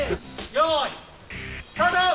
よいスタート！